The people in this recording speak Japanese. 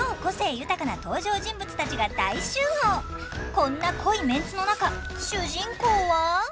こんな濃いメンツの中主人公は。